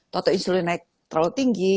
toto insulin naik terlalu tinggi